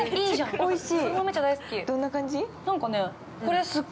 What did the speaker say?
◆おいしい。